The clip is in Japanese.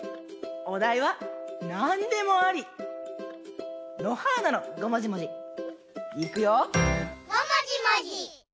おだいはなんでもあり！のはーなの「ごもじもじ」いくよ！